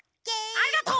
ありがとう！